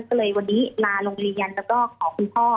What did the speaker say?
ก็เลยวันนี้มาโรงเรียนแล้วก็ขอคุณพ่อ